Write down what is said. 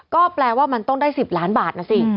ก็แปลว่ามันต้องได้๑๐ล้านบาทนะสิ